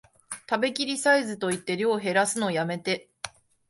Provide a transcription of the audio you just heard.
食べきりサイズと言って量へらすのやめて